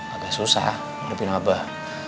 agak susah lebih nabah